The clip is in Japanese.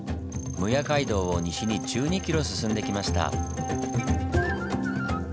撫養街道を西に１２ｋｍ進んできました。